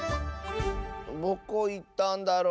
どこいったんだろ。